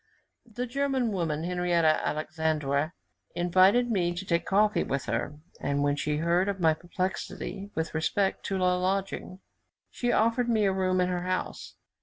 The German woman, Henriette Alexandwer, invited me to take coffee with her; and when she heard of my perplexity with respect to a lodging, she offered me a room in her house.